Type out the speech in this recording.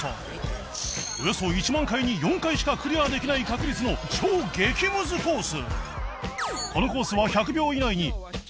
およそ１万回に４回しかクリアできない確率の超激ムズコース